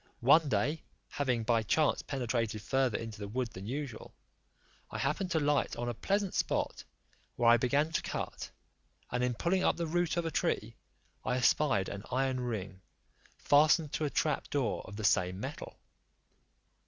One day, having by chance penetrated farther into the wood than usual, I happened to light on a pleasant spot, where I began to cut; and in pulling up the root of a tree, I espied an iron ring, fastened to a trap door of the same metal.